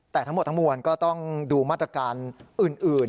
แต่ทั้งหมดทั้งมวลก็ต้องดูมาตรการอื่น